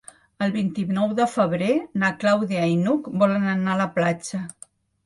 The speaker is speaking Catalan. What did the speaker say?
El vint-i-nou de febrer na Clàudia i n'Hug volen anar a la platja.